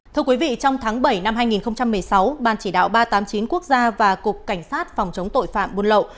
thưa quý vị trong tháng bảy năm hai nghìn một mươi sáu ban chỉ đạo ba trăm tám mươi chín quốc gia và cục cảnh sát phòng chống tội phạm buôn lậu